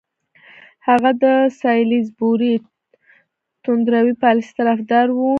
هغه د سالیزبوري توندروي پالیسۍ طرفدار وو.